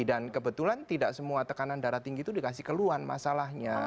dan kebetulan tidak semua tekanan darah tinggi itu dikasih keluhan masalahnya